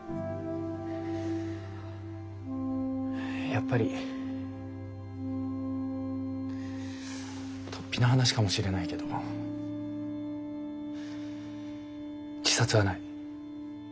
やっぱりとっぴな話かもしれないけど自殺はない。